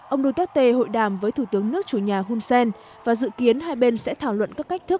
ông duterte hội đàm với thủ tướng nước chủ nhà hun sen và dự kiến hai bên sẽ thảo luận các cách thức